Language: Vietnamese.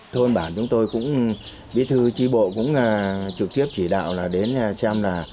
thôn bản chúng tôi cũng biết thư tri bộ cũng trực tiếp chỉ đạo là đến xem là